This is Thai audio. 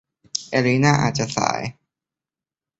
เอลินาอาจจะสาย